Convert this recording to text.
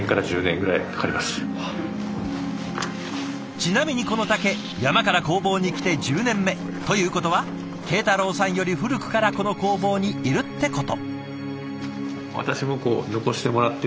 ちなみにこの竹山から工房に来て１０年目ということは慶太郎さんより古くからこの工房にいるってこと。